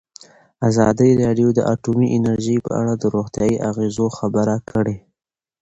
ازادي راډیو د اټومي انرژي په اړه د روغتیایي اغېزو خبره کړې.